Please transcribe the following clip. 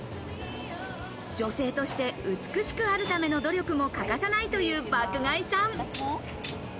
女性として美しくあるための努力も欠かさないという爆買いさん。